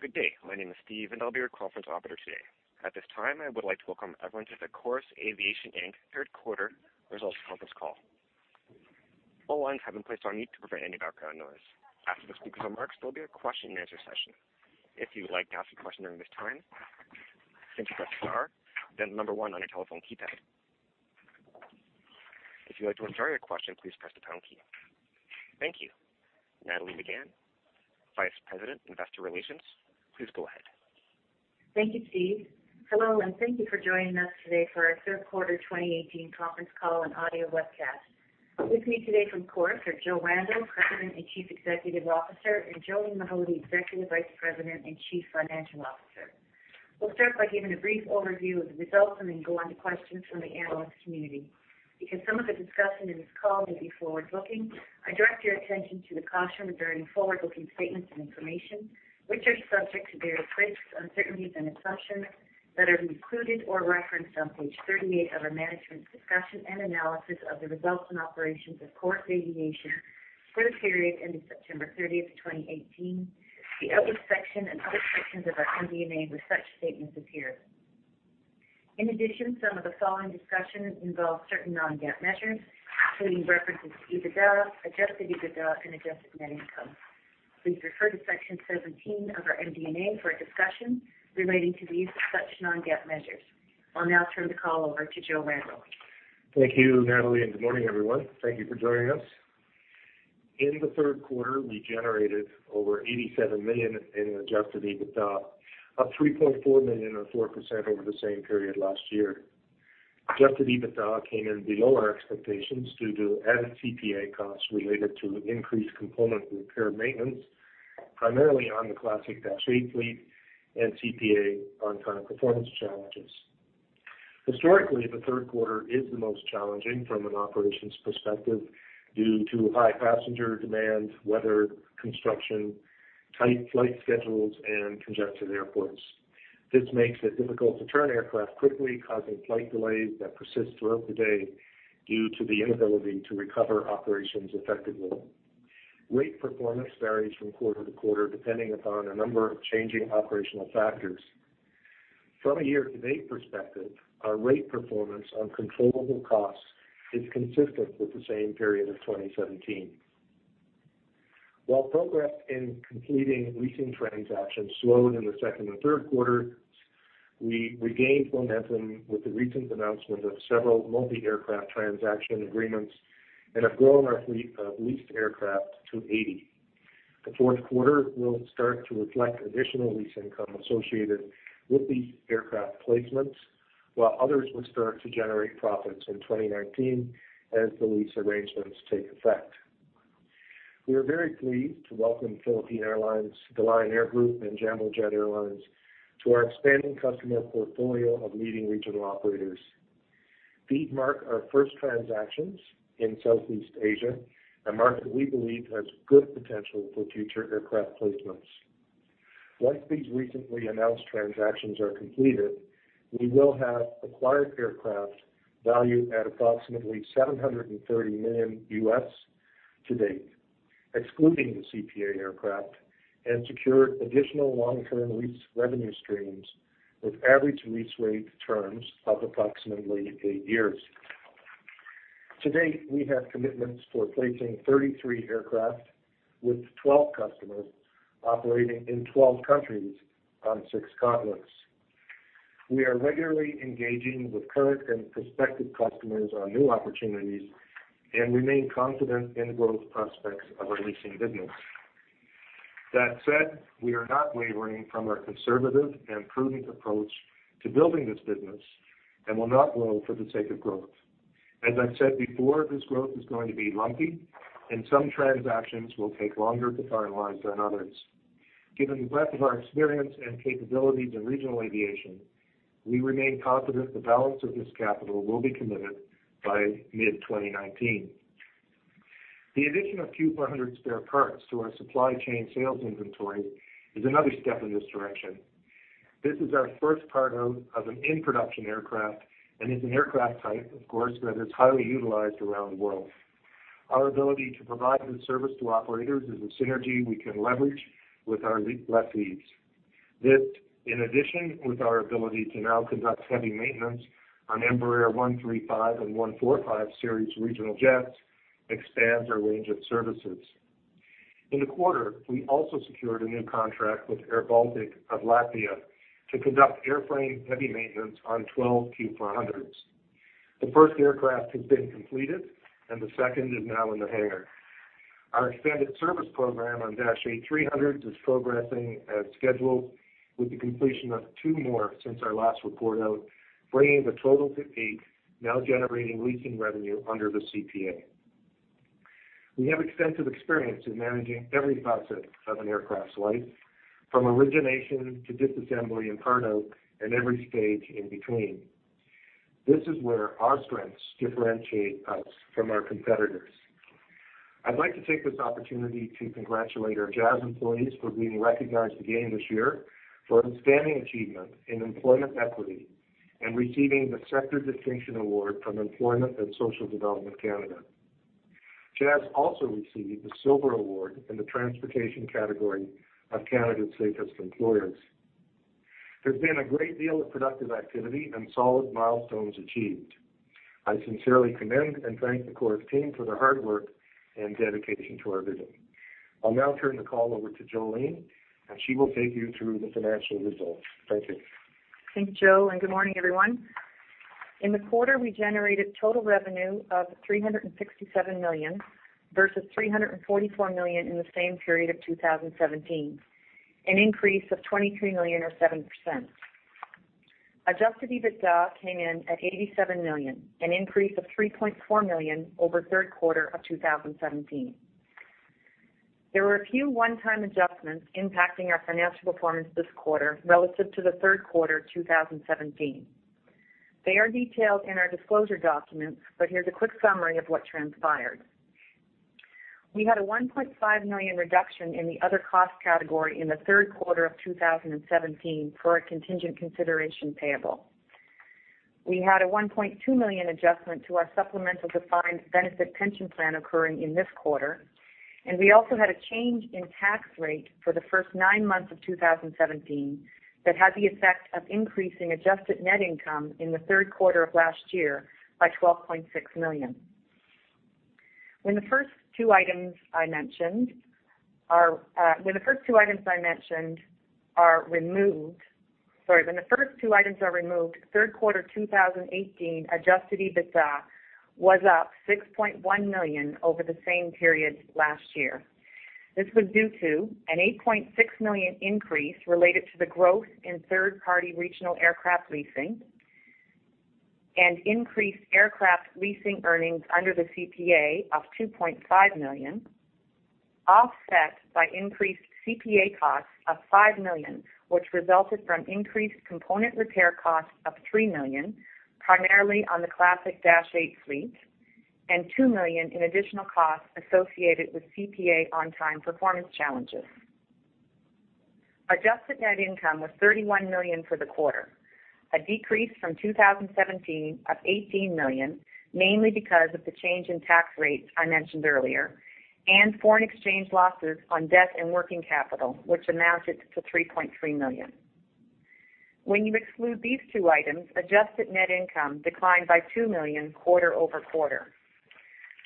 Good day. My name is Steve, and I'll be your conference operator today. At this time, I would like to welcome everyone to the Chorus Aviation Inc. third quarter results conference call. All lines have been placed on mute to prevent any background noise. After the speaker's remarks, there will be a question-and-answer session. If you would like to ask a question during this time, simply press star, then number one on your telephone keypad. If you'd like to withdraw your question, please press the pound key. Thank you. Nathalie Megann, Vice President, Investor Relations, please go ahead. Thank you, Steve. Hello, and thank you for joining us today for our third quarter 2018 conference call and audio webcast. With me today from Chorus are Joe Randell, President and Chief Executive Officer, and Jolene Mahody, Executive Vice President and Chief Financial Officer. We'll start by giving a brief overview of the results and then go on to questions from the analyst community. Because some of the discussion in this call may be forward-looking, I direct your attention to the caution regarding forward-looking statements and information, which are subject to various risks, uncertainties and assumptions that are included or referenced on page 38 of our management's discussion and analysis of the results and operations of Chorus Aviation for the period ending September 30, 2018, the outlook section and other sections of our MD&A where such statements appear. In addition, some of the following discussions involve certain non-GAAP measures, including references to EBITDA, adjusted EBITDA, and adjusted net income. Please refer to section 17 of our MD&A for a discussion relating to these such non-GAAP measures. I'll now turn the call over to Joe Randell. Thank you, Nathalie, and good morning, everyone. Thank you for joining us. In the third quarter, we generated over 87 million in adjusted EBITDA, up 3.4 million or 4% over the same period last year. Adjusted EBITDA came in below our expectations due to added CPA costs related to increased component repair maintenance, primarily on the Classic Dash 8 fleet and CPA on-time performance challenges. Historically, the third quarter is the most challenging from an operations perspective due to high passenger demand, weather, construction, tight flight schedules, and congested airports. This makes it difficult to turn aircraft quickly, causing flight delays that persist throughout the day due to the inability to recover operations effectively. Rate performance varies from quarter to quarter, depending upon a number of changing operational factors. From a year-to-date perspective, our rate performance on controllable costs is consistent with the same period of 2017. While progress in completing leasing transactions slowed in the second and third quarter, we regained momentum with the recent announcement of several multi-aircraft transaction agreements and have grown our fleet of leased aircraft to 80. The fourth quarter will start to reflect additional lease income associated with these aircraft placements, while others will start to generate profits in 2019 as the lease arrangements take effect. We are very pleased to welcome Philippine Airlines, the Lion Air Group, and Jambojet Airlines to our expanding customer portfolio of leading regional operators. These mark our first transactions in Southeast Asia, a market we believe has good potential for future aircraft placements. Once these recently announced transactions are completed, we will have acquired aircraft valued at approximately $730 million to date, excluding the CPA aircraft, and secure additional long-term lease revenue streams with average lease rate terms of approximately 8 years. To date, we have commitments for placing 33 aircraft with 12 customers operating in 12 countries on 6 continents. We are regularly engaging with current and prospective customers on new opportunities and remain confident in the growth prospects of our leasing business. That said, we are not wavering from our conservative and prudent approach to building this business and will not grow for the sake of growth. As I've said before, this growth is going to be lumpy, and some transactions will take longer to finalize than others. Given the breadth of our experience and capabilities in regional aviation, we remain confident the balance of this capital will be committed by mid-2019. The addition of Q400 spare parts to our supply chain sales inventory is another step in this direction. This is our first part-out of an in-production aircraft and is an aircraft type, of course, that is highly utilized around the world. Our ability to provide this service to operators is a synergy we can leverage with our lessees. This, in addition with our ability to now conduct heavy maintenance on Embraer 135 and 145 series regional jets, expands our range of services. In the quarter, we also secured a new contract with airBaltic of Latvia to conduct airframe heavy maintenance on 12 Q400s. The first aircraft has been completed, and the second is now in the hangar. Our expanded service program on Dash 8-300 is progressing as scheduled, with the completion of 2 more since our last report out, bringing the total to 8, now generating leasing revenue under the CPA. We have extensive experience in managing every facet of an aircraft's life, from origination to disassembly and turn out and every stage in between. This is where our strengths differentiate us from our competitors. I'd like to take this opportunity to congratulate our Jazz employees for being recognized again this year for outstanding achievement in employment equity and receiving the Sector Distinction Award from Employment and Social Development Canada. Jazz also received the Silver Award in the Transportation category of Canada's Safest Employers. There's been a great deal of productive activity and solid milestones achieved. I sincerely commend and thank the core team for their hard work and dedication to our vision. I'll now turn the call over to Jolene, and she will take you through the financial results. Thank you. Thanks, Joe, and good morning, everyone. In the quarter, we generated total revenue of 367 million, versus 344 million in the same period of 2017, an increase of 23 million or 7%. Adjusted EBITDA came in at 87 million, an increase of 3.4 million over third quarter of 2017. There were a few one-time adjustments impacting our financial performance this quarter relative to the third quarter of 2017. They are detailed in our disclosure documents, but here's a quick summary of what transpired. We had a 1.5 million reduction in the other cost category in the third quarter of 2017 for a contingent consideration payable. We had a 1.2 million adjustment to our supplemental defined benefit pension plan occurring in this quarter, and we also had a change in tax rate for the first nine months of 2017 that had the effect of increasing Adjusted Net Income in the third quarter of last year by 12.6 million. When the first two items I mentioned are removed, third quarter 2018 Adjusted EBITDA was up 6.1 million over the same period last year. This was due to a 8.6 million increase related to the growth in third-party regional aircraft leasing and increased aircraft leasing earnings under the CPA of 2.5 million, offset by increased CPA costs of 5 million, which resulted from increased component repair costs of 3 million, primarily on the Classic Dash 8 fleet, and 2 million in additional costs associated with CPA on-time performance challenges. Adjusted net income was 31 million for the quarter, a decrease from 2017 of 18 million, mainly because of the change in tax rate I mentioned earlier, and foreign exchange losses on debt and working capital, which amounted to 3.3 million. When you exclude these two items, Adjusted Net Income declined by 2 million quarter-over-quarter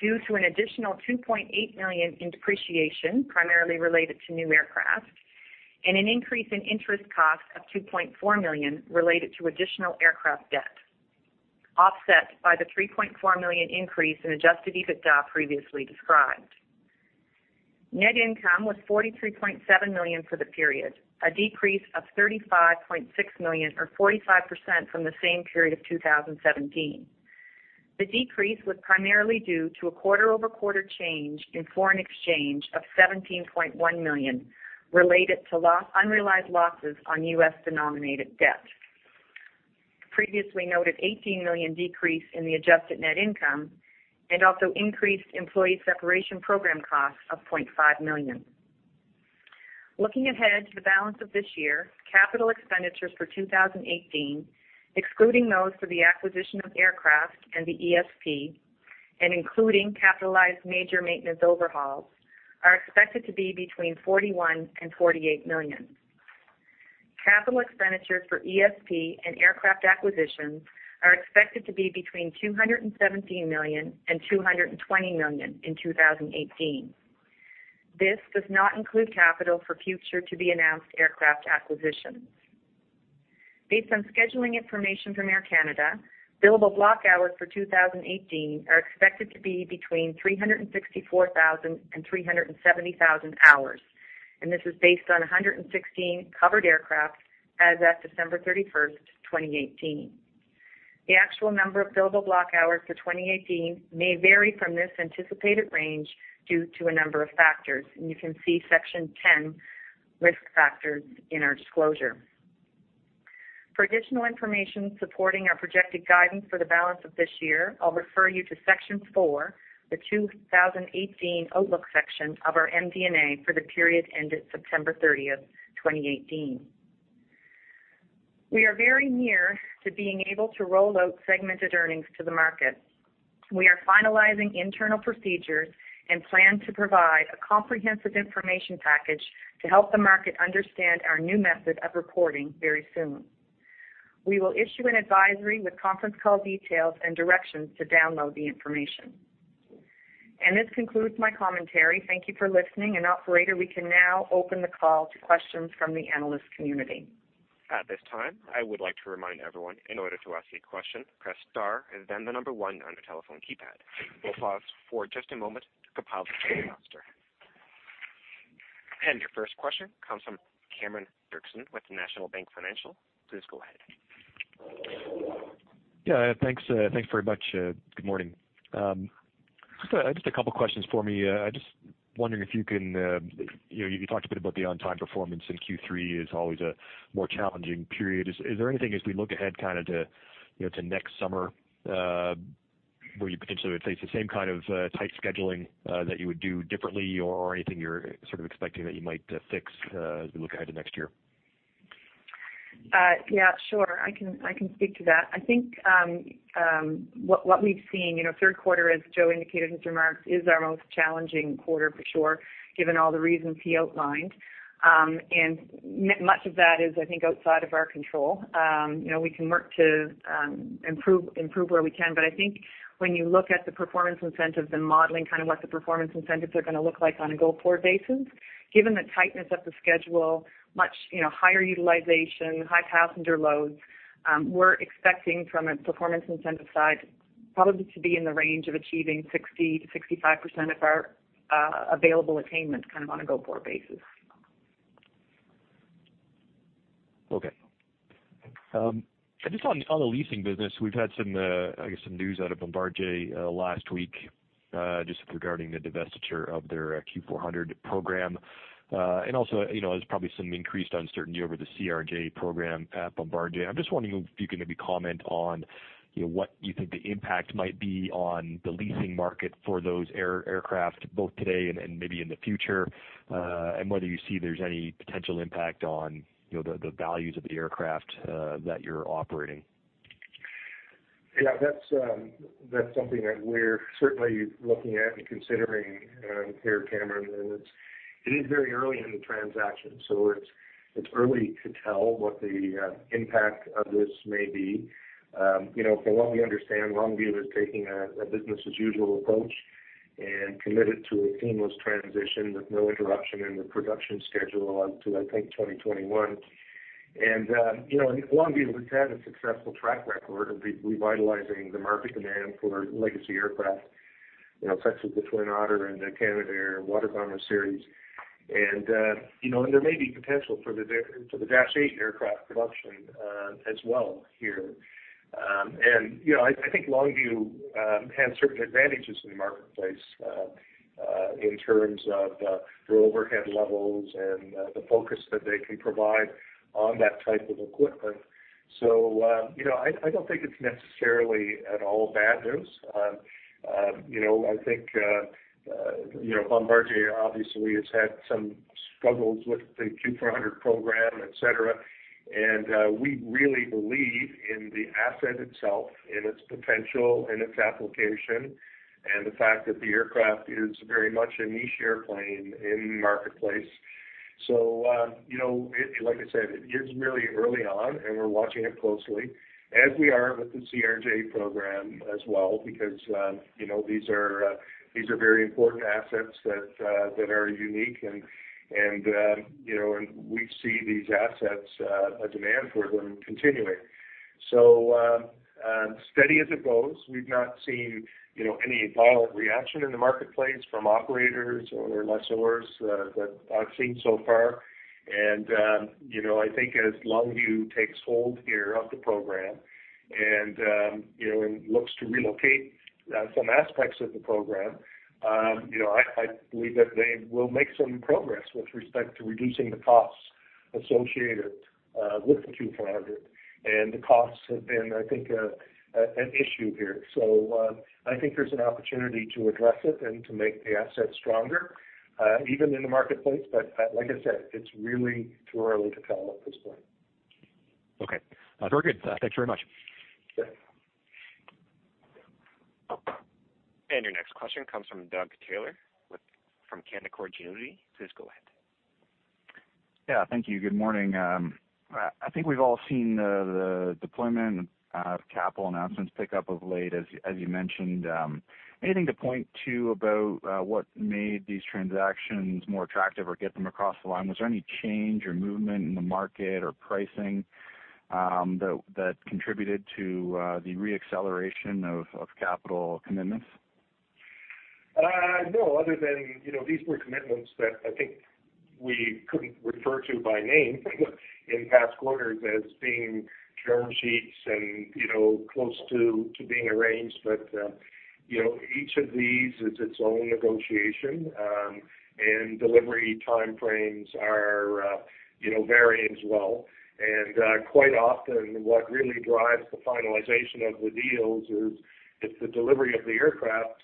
due to an additional 2.8 million in depreciation, primarily related to new aircraft, and an increase in interest costs of 2.4 million related to additional aircraft debt, offset by the 3.4 million increase in Adjusted EBITDA previously described. Net income was 43.7 million for the period, a decrease of 35.6 million, or 45%, from the same period of 2017. The decrease was primarily due to a quarter-over-quarter change in foreign exchange of 17.1 million related to unrealized losses on U.S.-denominated debt. Previously noted 18 million decrease in the Adjusted Net Income and also increased Employee Separation Program costs of 0.5 million. Looking ahead to the balance of this year, capital expenditures for 2018, excluding those for the acquisition of aircraft and the ESP, and including capitalized major maintenance overhauls, are expected to be between 41 million and 48 million. Capital expenditures for ESP and aircraft acquisitions are expected to be between 217 million and 220 million in 2018. This does not include capital for future to-be-announced aircraft acquisitions. Based on scheduling information from Air Canada, billable block hours for 2018 are expected to be between 364,000 and 370,000 hours, and this is based on 116 covered aircraft as at December 31, 2018. The actual number of billable block hours for 2018 may vary from this anticipated range due to a number of factors, and you can see Section 10, Risk Factors, in our disclosure. For additional information supporting our projected guidance for the balance of this year, I'll refer you to Section 4, the 2018 Outlook section of our MD&A for the period ended September 30, 2018. We are very near to being able to roll out segmented earnings to the market. We are finalizing internal procedures and plan to provide a comprehensive information package to help the market understand our new method of reporting very soon. We will issue an advisory with conference call details and directions to download the information. This concludes my commentary. Thank you for listening. Operator, we can now open the call to questions from the analyst community. At this time, I would like to remind everyone, in order to ask a question, press star and then the number one on the telephone keypad. We'll pause for just a moment to compile the question master. And your first question comes from Cameron Doerksen with National Bank Financial. Please go ahead. Yeah, thanks, thanks very much. Good morning. Just, just a couple questions for me. I just wondering if you can, you know, you talked a bit about the on-time performance in Q3 is always a more challenging period. Is, is there anything as we look ahead kind of to, you know, to next summer, where you potentially would face the same kind of, tight scheduling, that you would do differently or anything you're sort of expecting that you might, fix, as we look ahead to next year? ... Yeah, sure. I can, I can speak to that. I think, what we've seen, you know, third quarter, as Joe indicated in his remarks, is our most challenging quarter for sure, given all the reasons he outlined. And much of that is, I think, outside of our control. You know, we can work to, improve, improve where we can, but I think when you look at the performance incentives and modeling, kind of what the performance incentives are gonna look like on a go-forward basis, given the tightness of the schedule, you know, higher utilization, high passenger loads, we're expecting from a performance incentive side, probably to be in the range of achieving 60%-65% of our, available attainments, kind of on a go-forward basis. Okay. Just on the leasing business, we've had some, I guess, some news out of Bombardier last week, just regarding the divestiture of their Q400 program. And also, you know, there's probably some increased uncertainty over the CRJ program at Bombardier. I'm just wondering if you can maybe comment on, you know, what you think the impact might be on the leasing market for those aircraft, both today and maybe in the future, and whether you see there's any potential impact on, you know, the values of the aircraft that you're operating? Yeah, that's something that we're certainly looking at and considering here, Cameron, and it is very early in the transaction, so it's early to tell what the impact of this may be. You know, from what we understand, Longview is taking a business as usual approach and committed to a seamless transition with no interruption in the production schedule out to, I think, 2021. And, you know, Longview has had a successful track record of revitalizing the market demand for legacy aircraft, you know, such as the Twin Otter and the Canadair Water Bomber series. And, you know, and there may be potential for the Dash 8 aircraft production as well here. And, you know, I think Longview has certain advantages in the marketplace, in terms of their overhead levels and the focus that they can provide on that type of equipment. So, you know, I don't think it's necessarily at all bad news. You know, I think you know Bombardier obviously has had some struggles with the Q400 program, et cetera. And, we really believe in the asset itself and its potential and its application, and the fact that the aircraft is very much a niche airplane in the marketplace. So, you know, like I said, it is really early on, and we're watching it closely, as we are with the CRJ program as well, because, you know, these are very important assets that that are unique and, you know, and we see these assets, a demand for them continuing. So, steady as it goes. We've not seen, you know, any violent reaction in the marketplace from operators or lessors, that I've seen so far. And, you know, I think as Longview takes hold here of the program and, you know, and looks to relocate, some aspects of the program, you know, I believe that they will make some progress with respect to reducing the costs associated, with the Q400. The costs have been, I think, an issue here. So, I think there's an opportunity to address it and to make the asset stronger, even in the marketplace. But, like I said, it's really too early to tell at this point. Okay. Very good. Thanks very much. Okay. Your next question comes from Doug Taylor from Canaccord Genuity. Please go ahead. Yeah, thank you. Good morning. I think we've all seen the deployment of capital announcements pick up of late, as you mentioned. Anything to point to about what made these transactions more attractive or get them across the line? Was there any change or movement in the market or pricing that contributed to the re-acceleration of capital commitments? No, other than, you know, these were commitments that I think we couldn't refer to by name in past quarters as being term sheets and, you know, close to, to being arranged. But, you know, each of these is its own negotiation, and delivery time frames are, you know, vary as well. Quite often, what really drives the finalization of the deals is if the delivery of the aircraft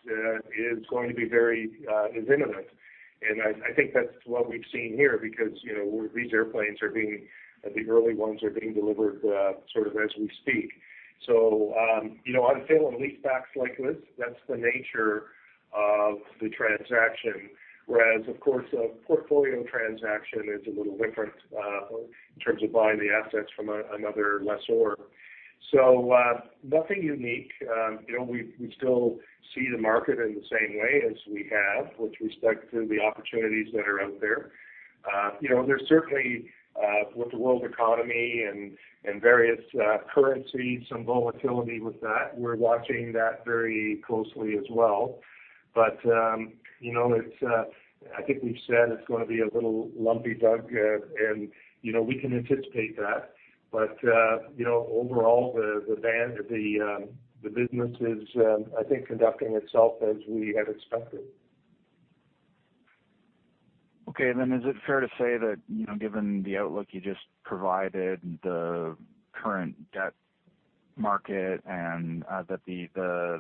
is going to be very, is imminent. I, I think that's what we've seen here, because, you know, these airplanes are being, the early ones are being delivered, sort of as we speak. So, you know, on sale and lease backs like this, that's the nature of the transaction. Whereas, of course, a portfolio transaction is a little different, in terms of buying the assets from another lessor. So, nothing unique. You know, we still see the market in the same way as we have with respect to the opportunities that are out there. You know, there's certainly, with the world economy and various currencies, some volatility with that. We're watching that very closely as well. But, you know, it's, I think we've said it's gonna be a little lumpy, Doug, and, you know, we can anticipate that. But, you know, overall, the business is, I think, conducting itself as we had expected. Okay. And then is it fair to say that, you know, given the outlook you just provided, the current debt market and that the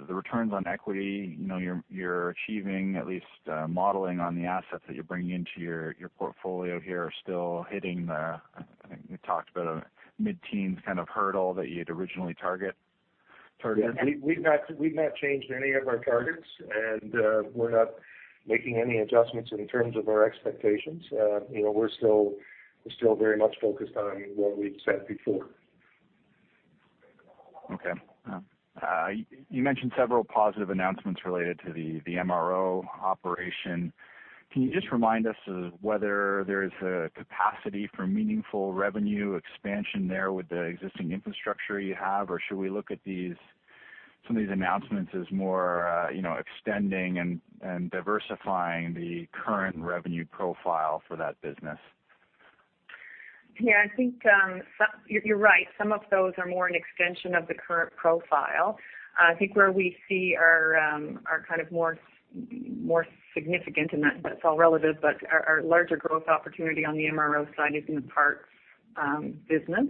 returns on equity, you know, you're achieving at least modeling on the assets that you're bringing into your portfolio here are still hitting the, I think you talked about a mid-teen kind of hurdle that you'd originally targeted? We've not, we've not changed any of our targets, and, we're not making any adjustments in terms of our expectations. You know, we're still, we're still very much focused on what we've said before. Okay. You mentioned several positive announcements related to the MRO operation. Can you just remind us of whether there is a capacity for meaningful revenue expansion there with the existing infrastructure you have? Or should we look at some of these announcements as more, you know, extending and diversifying the current revenue profile for that business? Yeah, I think you're right. Some of those are more an extension of the current profile. I think where we see our kind of more significant, and that's all relative, but our larger growth opportunity on the MRO side is in the parts business.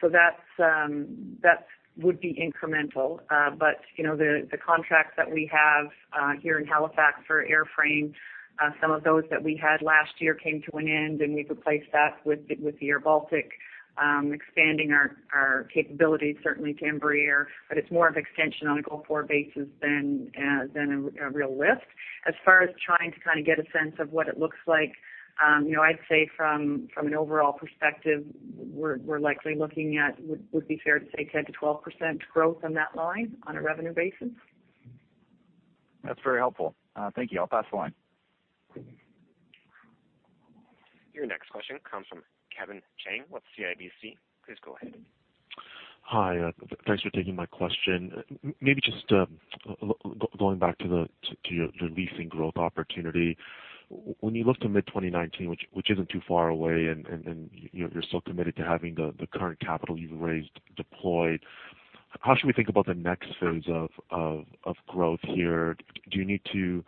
So that's that would be incremental. But, you know, the contracts that we have here in Halifax for airframe, some of those that we had last year came to an end, and we've replaced that with the airBaltic, expanding our capabilities certainly to Embraer, but it's more of extension on a go-forward basis than a real lift. As far as trying to kind of get a sense of what it looks like, you know, I'd say from an overall perspective, we're likely looking at, would be fair to say 10%-12% growth on that line on a revenue basis. That's very helpful. Thank you. I'll pass the line. Your next question comes from Kevin Chiang with CIBC. Please go ahead. Hi, thanks for taking my question. Maybe just going back to the, to, to your leasing growth opportunity. When you look to mid-2019, which isn't too far away, and you know, you're still committed to having the current capital you've raised deployed, how should we think about the next phase of growth here? Do you need to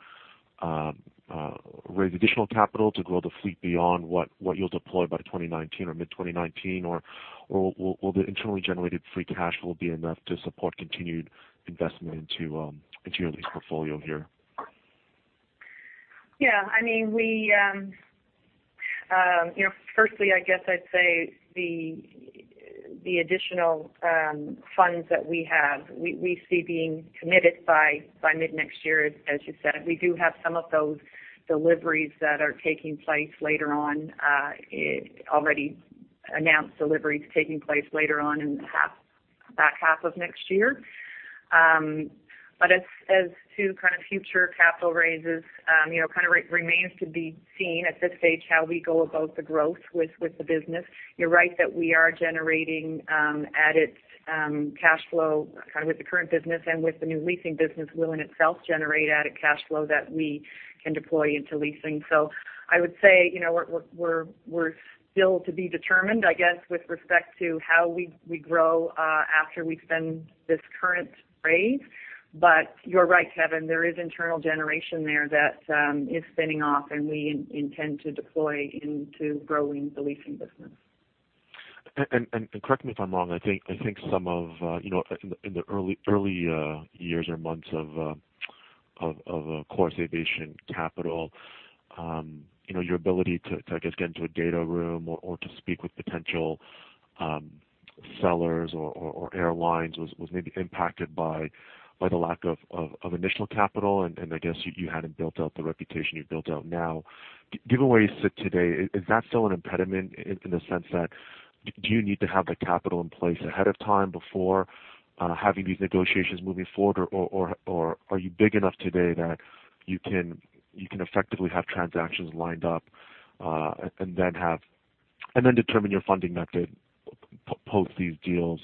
raise additional capital to grow the fleet beyond what you'll deploy by 2019 or mid-2019? Or will the internally generated free cash flow be enough to support continued investment into your lease portfolio here? Yeah, I mean, we, you know, firstly, I guess I'd say the, the additional funds that we have, we, we see being committed by, by mid-next year, as, as you said. We do have some of those deliveries that are taking place later on, already announced deliveries taking place later on in the half, back half of next year. But as, as to kind of future capital raises, you know, kind of remains to be seen at this stage, how we go about the growth with, with the business. You're right that we are generating added cash flow, kind of, with the current business, and with the new leasing business will in itself generate added cash flow that we can deploy into leasing. So I would say, you know, we're still to be determined, I guess, with respect to how we grow after we spend this current raise. But you're right, Kevin, there is internal generation there that is spinning off, and we intend to deploy into growing the leasing business. And correct me if I'm wrong, I think some of, you know, in the early years or months of Chorus Aviation Capital, you know, your ability to, I guess, get into a data room or to speak with potential sellers or airlines was maybe impacted by the lack of initial capital. And I guess you hadn't built out the reputation you've built out now. Given where you sit today, is that still an impediment in the sense that do you need to have the capital in place ahead of time before having these negotiations moving forward? Or are you big enough today that you can effectively have transactions lined up and then have... And then determine your funding method post these deals,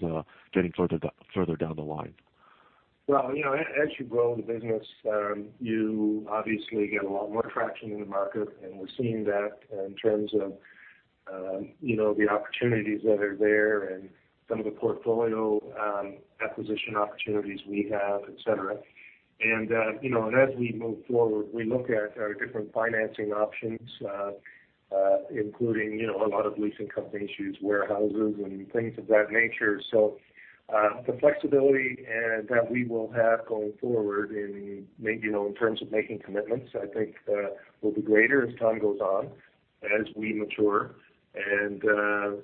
getting further down, further down the line? Well, you know, as you grow the business, you obviously get a lot more traction in the market, and we're seeing that in terms of, you know, the opportunities that are there and some of the portfolio, acquisition opportunities we have, et cetera. And, you know, and as we move forward, we look at our different financing options, including, you know, a lot of leasing companies use warehouses and things of that nature. So, the flexibility, that we will have going forward in you know, in terms of making commitments, I think, will be greater as time goes on, as we mature. And,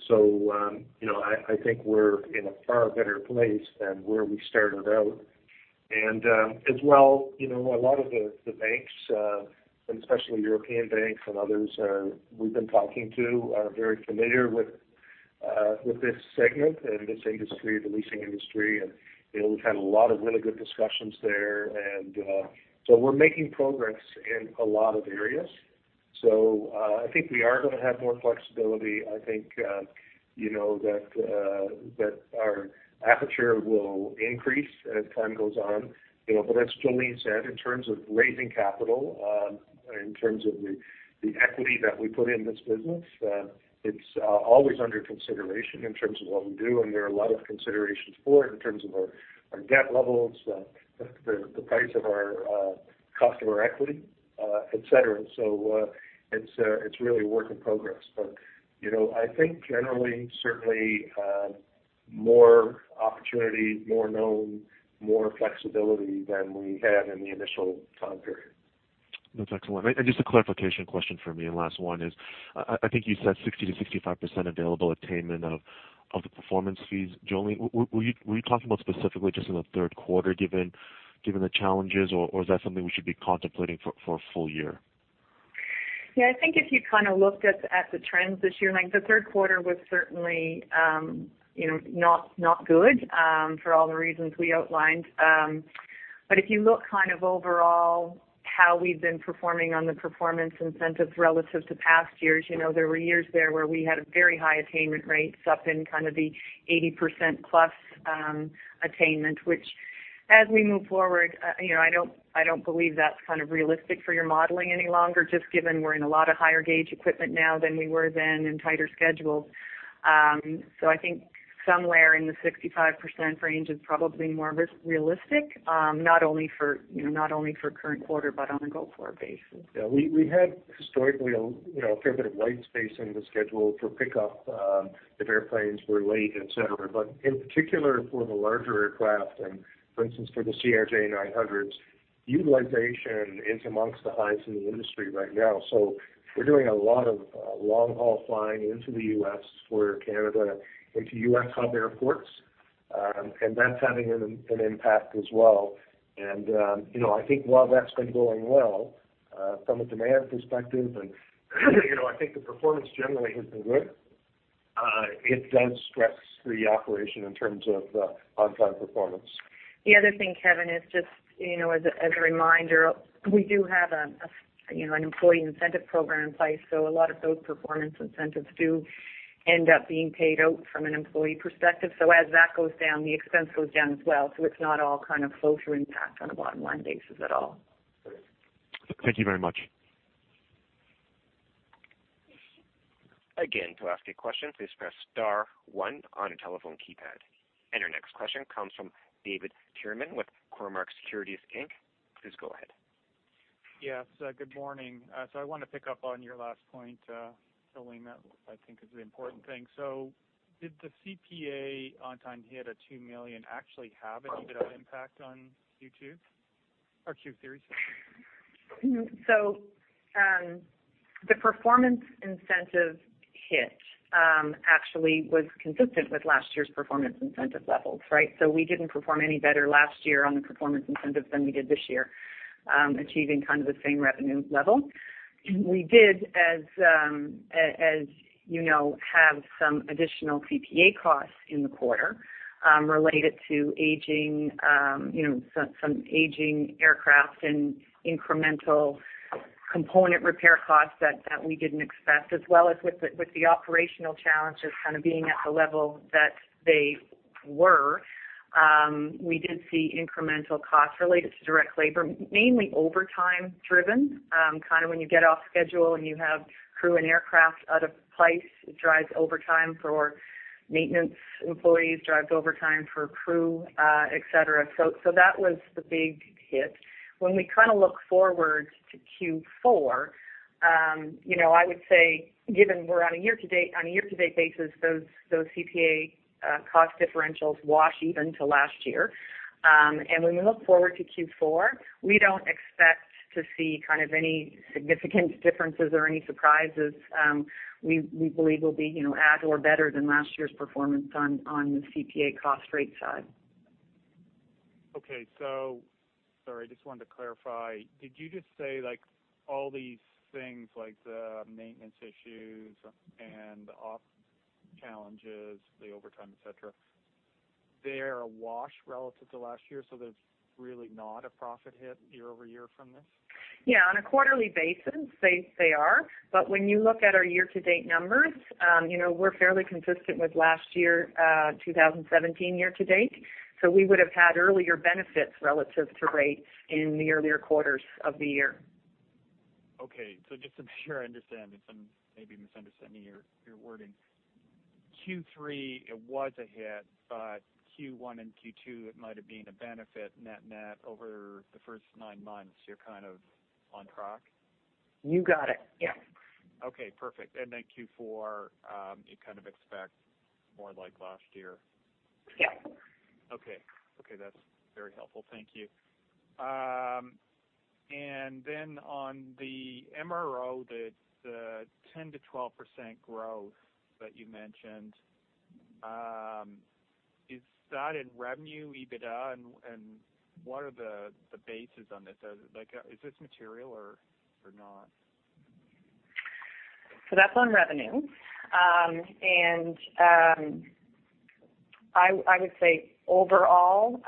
so, you know, I, I think we're in a far better place than where we started out. As well, you know, a lot of the banks, and especially European banks and others we've been talking to, are very familiar with this segment and this industry, the leasing industry, and, you know, we've had a lot of really good discussions there. So we're making progress in a lot of areas. I think we are gonna have more flexibility. I think, you know, that our aperture will increase as time goes on. You know, but as Jolene said, in terms of raising capital, in terms of the equity that we put in this business, it's always under consideration in terms of what we do, and there are a lot of considerations for it in terms of our debt levels, the cost of our equity. et cetera. So, it's, it's really a work in progress. But, you know, I think generally, certainly, more opportunity, more known, more flexibility than we had in the initial time period. That's excellent. And just a clarification question for me, and last one is, I think you said 60%-65% available attainment of the performance fees. Jolene, were you talking about specifically just in the third quarter, given the challenges, or is that something we should be contemplating for a full year? Yeah, I think if you kind of looked at the trends this year, like, the third quarter was certainly, you know, not good, for all the reasons we outlined. But if you look kind of overall how we've been performing on the performance incentives relative to past years, you know, there were years there where we had very high attainment rates up in kind of the 80% plus, attainment. Which, as we move forward, you know, I don't believe that's kind of realistic for your modeling any longer, just given we're in a lot of higher gauge equipment now than we were then and tighter schedules. So I think somewhere in the 65% range is probably more realistic, not only for the current quarter, but on a go-forward basis. Yeah, we had historically, you know, a fair bit of white space in the schedule for pickup, if airplanes were late, et cetera. But in particular, for the larger aircraft, and for instance, for the CRJ900s, utilization is among the highest in the industry right now. So we're doing a lot of long-haul flying into the U.S. for Canada, into U.S. hub airports, and that's having an impact as well. And, you know, I think while that's been going well, from a demand perspective, and, you know, I think the performance generally has been good, it does stress the operation in terms of on-time performance. The other thing, Kevin, is just, you know, as a, you know, an employee incentive program in place, so a lot of those performance incentives do end up being paid out from an employee perspective. So as that goes down, the expense goes down as well. So it's not all kind of flow-through impact on a bottom line basis at all. Thank you very much. Again, to ask a question, please press star one on your telephone keypad. Our next question comes from David Tyerman with Cormark Securities Inc. Please go ahead. Yes, good morning. So I want to pick up on your last point, Jolene, that I think is the important thing. So did the CPA on-time hit of 2 million actually have an EBITDA impact on Q2 or Q3? So, the performance incentive hit actually was consistent with last year's performance incentive levels, right? So we didn't perform any better last year on the performance incentives than we did this year, achieving kind of the same revenue level. We did, as you know, have some additional CPA costs in the quarter, related to aging, you know, some aging aircraft and incremental component repair costs that we didn't expect, as well as with the operational challenges kind of being at the level that they were, we did see incremental costs related to direct labor, mainly overtime driven. Kind of when you get off schedule and you have crew and aircraft out of place, it drives overtime for maintenance employees, drives overtime for crew, et cetera. So that was the big hit. When we kind of look forward to Q4, you know, I would say, given we're on a year to date, on a year to date basis, those, those CPA cost differentials wash even to last year. When we look forward to Q4, we don't expect to see kind of any significant differences or any surprises. We, we believe we'll be, you know, at or better than last year's performance on, on the CPA cost rate side. Okay. So sorry, I just wanted to clarify: Did you just say, like, all these things, like the maintenance issues and the ops challenges, the overtime, et cetera, they are a wash relative to last year, so there's really not a profit hit year-over-year from this? Yeah, on a quarterly basis, they, they are. But when you look at our year to date numbers, you know, we're fairly consistent with last year, 2017 year to date. So we would have had earlier benefits relative to rate in the earlier quarters of the year. Okay. So just to make sure I understand, and some maybe misunderstanding your, your wording. Q3, it was a hit, but Q1 and Q2, it might have been a benefit, net-net over the first nine months, you're kind of on track? You got it. Yes. Okay, perfect. And then Q4, you kind of expect more like last year? Yes. Okay. Okay, that's very helpful. Thank you. And then on the MRO, the ten to twelve percent growth that you mentioned, is that in revenue, EBITDA, and what are the bases on this? Does—like, is this material or not? So that's on revenue. I would say overall,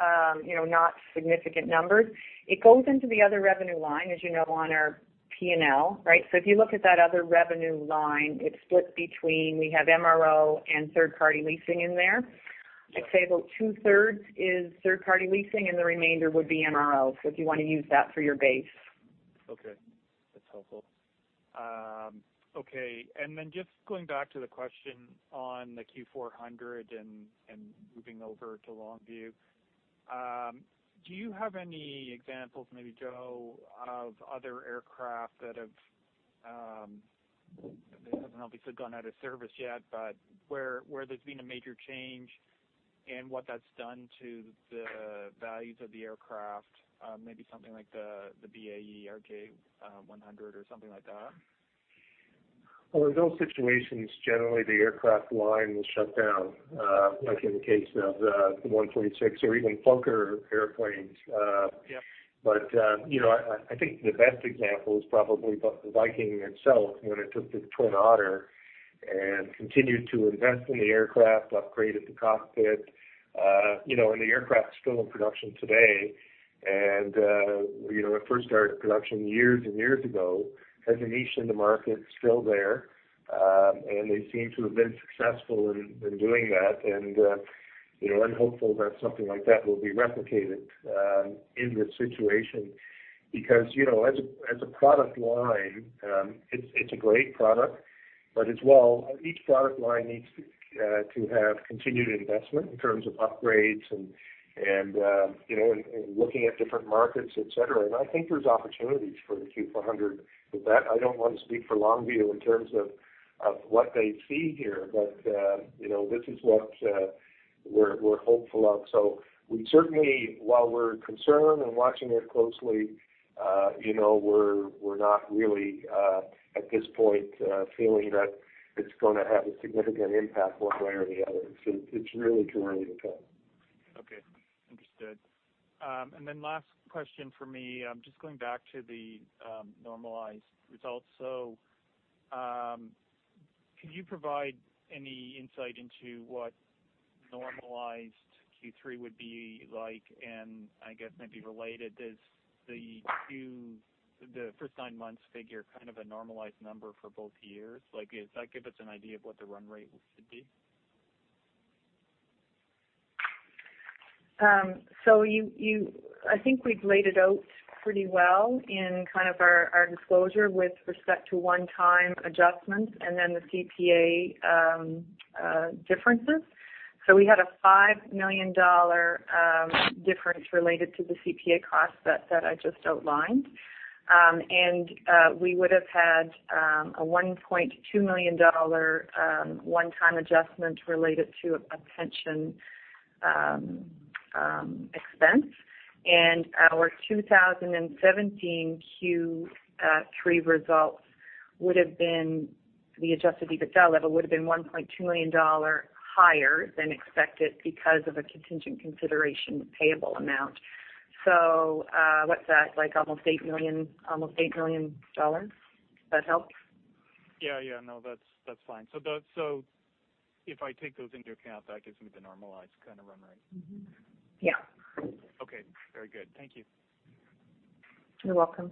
you know, not significant numbers. It goes into the other revenue line, as you know, on our P&L, right? So if you look at that other revenue line, it's split between, we have MRO and third-party leasing in there. Sure. I'd say about 2/3 is third-party leasing, and the remainder would be MRO. So if you want to use that for your base. Okay. That's helpful. Okay, and then just going back to the question on the Q400 and moving over to Longview. Do you have any examples, maybe Joe, of other aircraft that haven't obviously gone out of service yet, but where there's been a major change and what that's done to the values of the aircraft? Maybe something like the BAE RJ100, or something like that? Well, in those situations, generally the aircraft line will shut down, like in the case of the 146 or even Fokker airplanes. Yep. But, you know, I think the best example is probably the Viking itself, when it took the Twin Otter and continued to invest in the aircraft, upgraded the cockpit. You know, and the aircraft is still in production today, and, you know, it first started production years and years ago. Has a niche in the market, still there, and they seem to have been successful in doing that. And, you know, I'm hopeful that something like that will be replicated in this situation, because, you know, as a product line, it's a great product, but as well, each product line needs to have continued investment in terms of upgrades and, you know, and looking at different markets, et cetera. And I think there's opportunities for the Q400. But that I don't want to speak for Longview in terms of of what they see here, but you know, this is what we're, we're hopeful of. So we certainly, while we're concerned and watching it closely, you know, we're, we're not really at this point feeling that it's gonna have a significant impact one way or the other. It's really too early to tell. Okay, understood. And then last question for me. I'm just going back to the normalized results. So, could you provide any insight into what normalized Q3 would be like? And I guess maybe related, is the first nine months figure kind of a normalized number for both years? Like, does that give us an idea of what the run rate should be? So, I think we've laid it out pretty well in kind of our disclosure with respect to one-time adjustments and then the CPA differences. So we had a 5 million dollar difference related to the CPA cost that I just outlined. And we would have had a 1.2 million dollar one-time adjustment related to a pension expense. And our 2017 Q3 results would have been, the adjusted EBITDA level would have been 1.2 million dollar higher than expected because of a contingent consideration payable amount. So, what's that? Like, almost 8 million, almost 8 million dollars. Does that help? Yeah, yeah. No, that's, that's fine. So the, so if I take those into account, that gives me the normalized kind of run rate. Mm-hmm. Yeah. Okay, very good. Thank you. You're welcome.